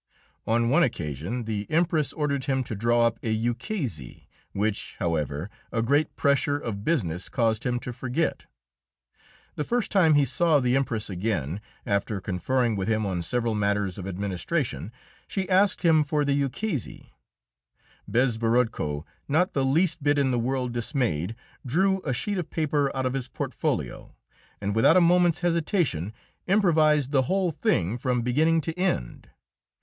On one occasion the Empress ordered him to draw up a ukase, which, however, a great pressure of business caused him to forget. The first time he saw the Empress again, after conferring with him on several matters of administration, she asked him for the ukase. Bezborodko, not the least bit in the world dismayed, drew a sheet of paper out of his portfolio, and without a moment's hesitation improvised the whole thing from beginning to end.